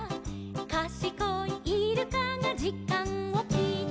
「かしこいイルカがじかんをきいた」